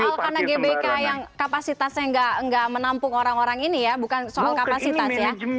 karena gbk yang kapasitasnya enggak enggak menampung orang orang ini ya bukan soal kapasitas